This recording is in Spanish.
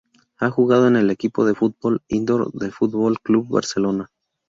Ha jugado en el equipo de fútbol indoor del Fútbol Club Barcelona.